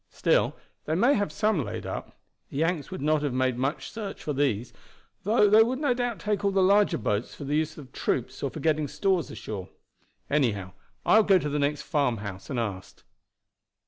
Still they may have some laid up. The Yanks would not have made much search for those, though they would no doubt take all the larger boats for the use of the troops or for getting stores ashore. Anyhow, I will go to the next farmhouse and ask."